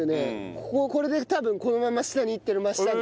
こここれで多分このまま真下にいってる真下に。